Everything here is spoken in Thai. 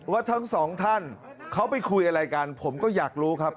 ว่าทั้งสองท่านเขาไปคุยอะไรกันผมก็อยากรู้ครับ